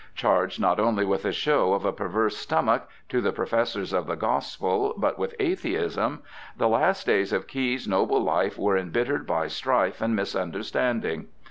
'Charged not only with a show of a perverse stomach to the professors of the Gospel, but with Atheism,' the last days of Caius's noble life were embittered by strife and misunderstanding.